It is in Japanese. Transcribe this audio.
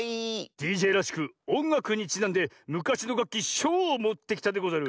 ＤＪらしくおんがくにちなんでむかしのがっきしょうをもってきたでござる。